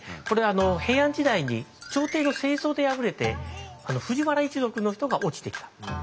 これは平安時代に朝廷の政争で敗れて藤原一族の人が落ちてきた。